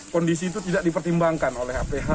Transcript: kondisi itu tidak dipertimbangkan oleh aph